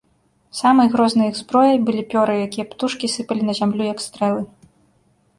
Самай грознай іх зброяй былі пёры, якія птушкі сыпалі на зямлю як стрэлы.